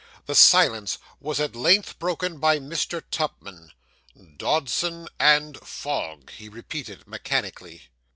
The silence was at length broken by Mr. Tupman. 'Dodson and Fogg,' he repeated mechanically.